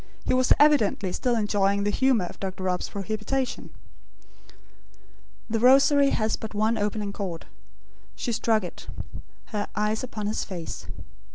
He was evidently still enjoying the humour of Dr. Rob's prohibition. The Rosary has but one opening chord. She struck it; her eyes upon his face.